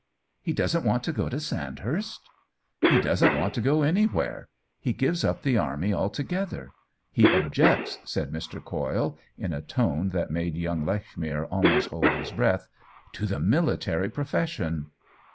" He doesn't want to go to Sandhurst ?''" He doesn't want to go anywhere. He gives up the army altogether. He objects," said Mr. Coyle, in a tone that made young OWEN WINGRAVE 155 Lechmere almost hold his breath, "to the military profession."